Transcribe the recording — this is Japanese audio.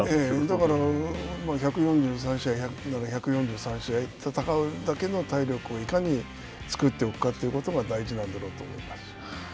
だから、１４３試合なら１４３試合、戦うだけの体力をいかに作っておくかということが大事なんだろうと思います。